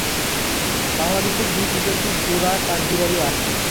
বাংলাদেশে দুই প্রজাতির ডোরা কাঠবিড়ালি আছে।